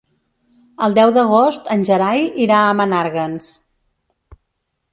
El deu d'agost en Gerai irà a Menàrguens.